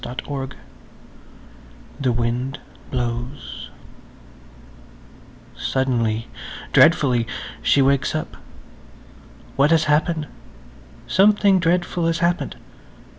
[Page 137] THE WIND BLOWS SUDDENLY–dreadfully–she wakes up. What has happened? Something dreadful has happened.